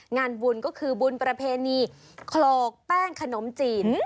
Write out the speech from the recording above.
งานบุญก็คือบุญประเพณีโขลกแป้งขนมจีน